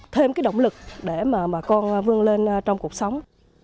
thêm cái động lực để mà bà con vươn lên trong cuộc sống